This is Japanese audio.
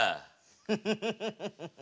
フフフフフフフ。